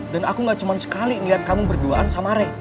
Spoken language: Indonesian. dan aku gak cuman sekali liat kamu berduaan sama rey